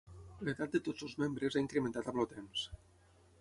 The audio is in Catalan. L'edat de tots els membres ha incrementat amb el temps.